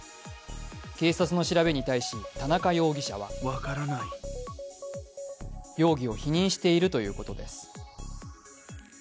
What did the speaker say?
警察の調べに対し田中容疑者は容疑を否認しているということです。